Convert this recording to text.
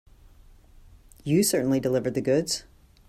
You certainly delivered the goods.